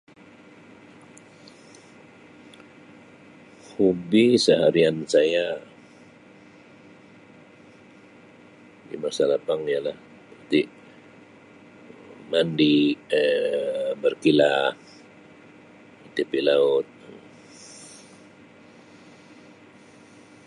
Hobi seharian saya di masa lapang ialah [unintelligible] mandi, Um berkelah di tepi laut Um.